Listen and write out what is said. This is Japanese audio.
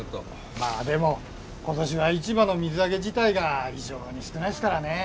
まあでも今年は市場の水揚げ自体が異常に少ないすからね。